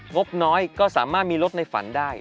บน้อยก็สามารถมีลดในฝันได้